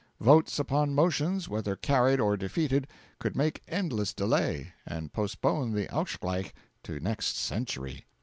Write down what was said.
Votes upon motions, whether carried or defeated, could make endless delay, and postpone the Ausgleich to next century.